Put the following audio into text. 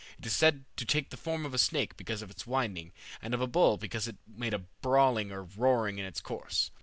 It was said to take the form of a snake because of its winding, and of a bull because it made a brawling or roaring in its course.